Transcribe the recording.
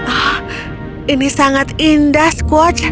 ah ini sangat indah squatch